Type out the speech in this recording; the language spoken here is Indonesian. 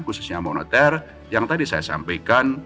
khususnya moneter yang tadi saya sampaikan